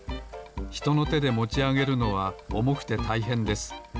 ひとのてでもちあげるのはおもくてたいへんです。